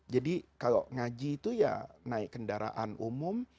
jadi kalau ngaji itu ya naik kendaraan umum